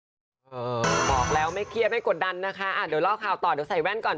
บอกแล้วไม่เครียดไม่กดดันนะคะอ่ะเดี๋ยวเล่าข่าวต่อเดี๋ยวใส่แว่นก่อน